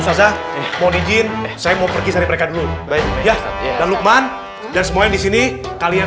ustadz ah mau dijin saya mau pergi dari mereka dulu dan lukman dan semua yang di sini kalian